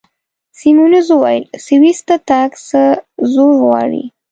سیمونز وویل: سویس ته تګ څه زور غواړي؟